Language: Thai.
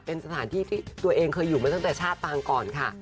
เป็นสถานที่ที่ตัวเองเคยอยู่มาตั้งแต่ชาติปางก่อนค่ะ